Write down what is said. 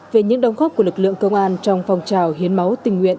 về những đồng góp của lực lượng công an trong phong trào hiến máu tình nguyện